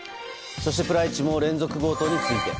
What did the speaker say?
そしてプライチも連続強盗について。